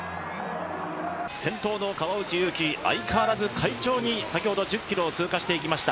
先頭の川内優輝、相変わらず快調に、先ほど１０キロを通過していきました。